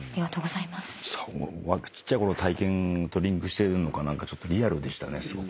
ちっちゃいころの体験とリンクしてるのかリアルでしたね。